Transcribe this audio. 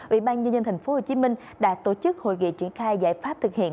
ủy ban nhân dân tp hcm đã tổ chức hội nghị triển khai giải pháp thực hiện